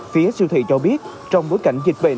phía siêu thị cho biết trong bối cảnh dịch bệnh